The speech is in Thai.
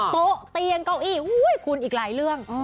โต๊ะเตียงเก้าอี้คุณอีกหลายเรื่อง